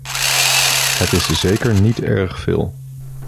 Het is zeker niet erg veel.